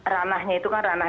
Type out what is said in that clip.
ranahnya itu kan ranah